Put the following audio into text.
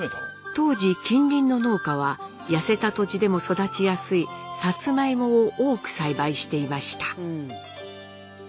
当時近隣の農家は痩せた土地でも育ちやすいサツマイモを多く栽培していました。